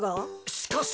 しかし！